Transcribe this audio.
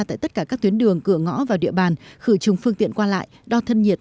tại tất cả các tuyến đường cửa ngõ vào địa bàn khử trùng phương tiện qua lại đo thân nhiệt